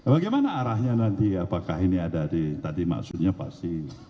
bagaimana arahnya nanti apakah ini ada di tadi maksudnya pasti